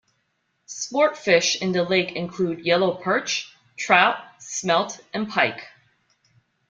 Sportfish in the lake include yellow perch, trout, smelt and pike.